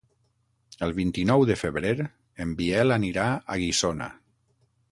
El vint-i-nou de febrer en Biel anirà a Guissona.